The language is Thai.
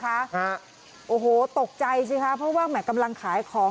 ฮะโอ้โหตกใจสิคะเพราะว่าแหม่กำลังขายของ